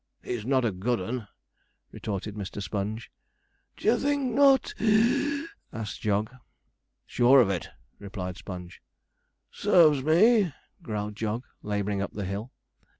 'He's not a good 'un,' retorted Mr. Sponge. 'D'ye think not (wheeze)?' asked Jog. 'Sure of it,' replied Sponge. 'Serves me,' growled Jog, labouring up the hill.